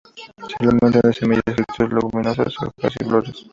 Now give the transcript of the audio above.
Se alimentan de semillas, frutos, leguminosas, hojas y flores.